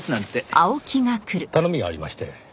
頼みがありまして。